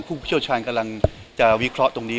ผู้เชี่ยวชาญกำลังจะวิเคราะห์ตรงนี้